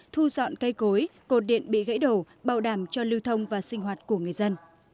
thu dọn cây cối cột điện bị gãy đổ bảo đảm cho lưu thông và sinh hoạt của người dân